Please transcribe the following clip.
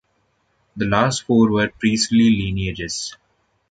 The last four were priestly lineages.